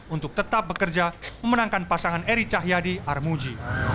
untuk tetap bekerja memenangkan pasangan eri cahyadi armuji